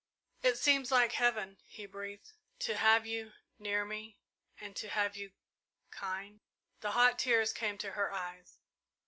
"It seems like heaven," he breathed, "to have you near me and to have you kind!" The hot tears came to her eyes.